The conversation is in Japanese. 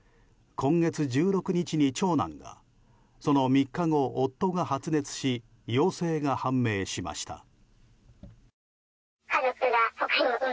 今月１６日に長男がその３日後、夫が発熱し陽性が判明しました。